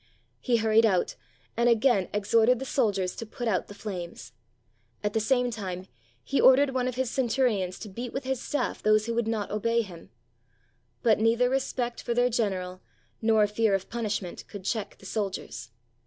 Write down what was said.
He hurried out, and again exhorted the soldiers to put 6oi PALESTINE out the flames. At the same time he ordered one of his centurions to beat with his staff those who would not obey him. But neither respect for their general nor fear of punishment could check the soldiers.